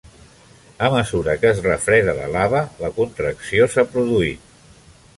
A mesura que es refredat la lava, la contracció s'ha produït.